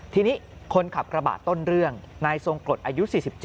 ทีนี้คนขับกระบะต้นเรื่องนายทรงกรดอายุ๔๗